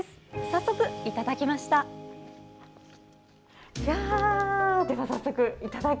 早速、いただきました。